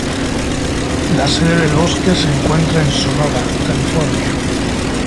La sede del bosque se encuentra en Sonora, California.